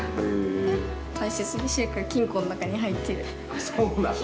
あっそうなの？